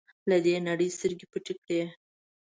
له دې نړۍ سترګې پټې کړې.